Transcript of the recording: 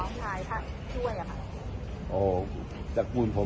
วิทยาลัยพรูดด้วย